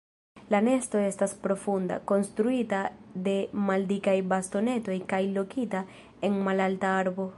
La nesto estas profunda, konstruita de maldikaj bastonetoj kaj lokita en malalta arbo.